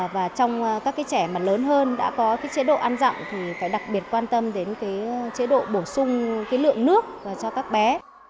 và trong các cái trẻ mà lớn hơn đã có chế độ ăn rặng thì phải đặc biệt quan tâm đến cái chế độ bổ sung lượng nước cho các bé